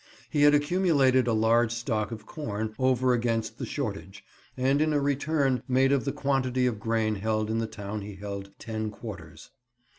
He had accumulated a large stock of corn, over against the shortage, and in a return made of the quantity of grain held in the town he held ten quarters.